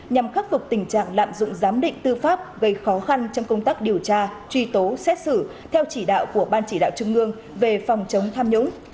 nhằm khắc phục tình trạng lạm dụng giám định tư pháp gây khó khăn trong công tác điều tra truy tố xét xử theo chỉ đạo của ban chỉ đạo trung ương về phòng chống tham nhũng